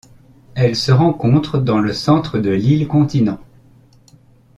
Elle se rencontre dans le centre de l'île-continent.